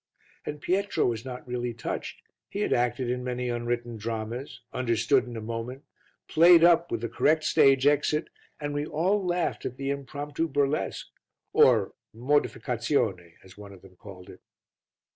And Pietro was not really touched, he had acted in many unwritten dramas, understood in a moment, played up with the correct stage exit and we all laughed at the impromptu burlesque or modificazione, as one of them called it.